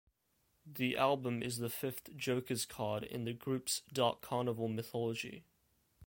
The album is the fifth Joker's Card in the group's Dark Carnival mythology.